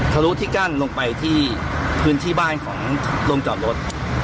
ทะลุที่กั้นลงไปที่พื้นที่บ้านของโรงจอดรถ